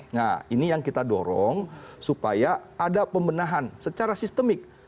nah ini yang kita dorong supaya ada pembenahan secara sistemik